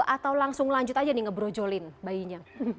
atau langsung lanjut aja nih ngebrojolin bayinya